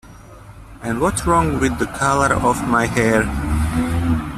And what's wrong with the colour of my hair?